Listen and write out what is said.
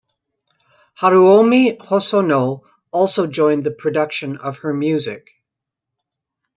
Haruomi Hosono also joined the production of her music.